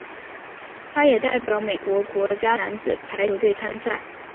他也代表美国国家男子排球队参赛。